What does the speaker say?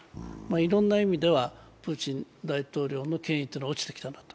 いろんな意味ではプーチン大統領の権威っていうのは落ちてきたなと。